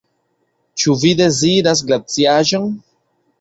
Ĉu vi deziras glaciaĵon?